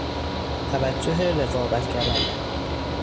توجه رقابتگرانه